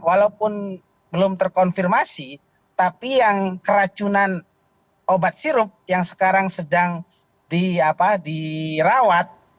walaupun belum terkonfirmasi tapi yang keracunan obat sirup yang sekarang sedang dirawat